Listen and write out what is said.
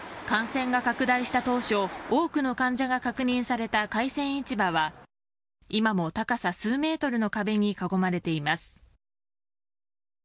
感染が拡大した当初、多くの患者が確認された海鮮市場は、今も高さ数メートルの壁に囲まれています。